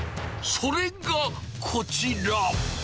それがこちら。